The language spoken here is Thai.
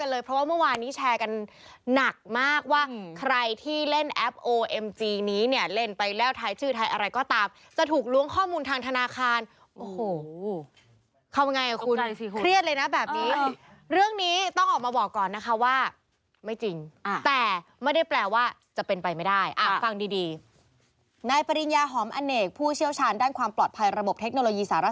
เห็นไหมดิฉันเป็นคนแบบนี้ไงเนี่ย